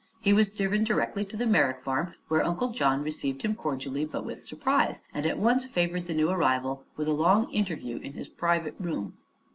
He was driven directly to the Merrick farm, where Uncle John received him cordially, but with surprise, and at once favored the new arrival with a long interview in his private room.